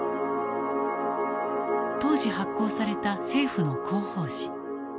当時発行された政府の広報誌。